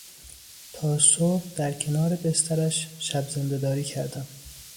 تا صبح در کنار بسترش شبزندهداری کردم.